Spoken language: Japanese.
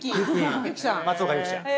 松岡ユキちゃん。